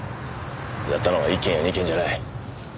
やったのは１件や２件じゃない。